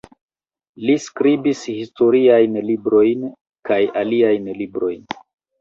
Li skribis historiajn librojn kaj aliajn librojn.